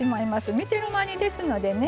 見てる間にですのでね